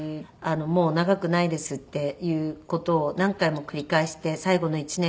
もう長くないですっていう事を何回も繰り返して最後の１年は。